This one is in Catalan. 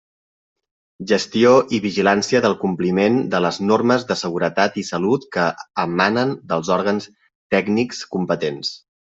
Gestió i vigilància del compliment de les normes de seguretat i salut que emanen dels òrgans tècnics competents.